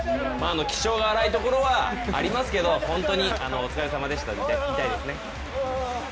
気性が荒いところはありますけど本当にお疲れ様でしたと言いたいです。